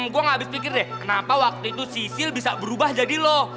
gue gak habis pikir deh kenapa waktu itu cicil bisa berubah jadi loh